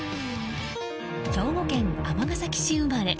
兵庫県尼崎市生まれ。